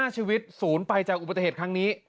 ๕ชีวิตศูนย์ไปจากอุบัติเหตุครั้งนี้